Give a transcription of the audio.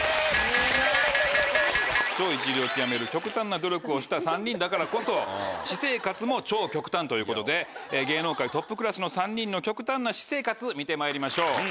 超一流を極める極端な努力をした３人だからこそ私生活も超極端ということで芸能界トップクラスの３人の極端な私生活見てまいりましょう。